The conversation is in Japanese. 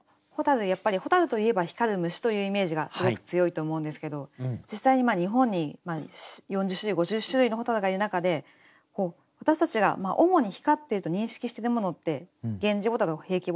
やっぱり蛍といえば光る虫というイメージがすごく強いと思うんですけど実際に日本に４０種類５０種類の蛍がいる中で私たちが主に光っていると認識しているものってゲンジボタルヘイケボタル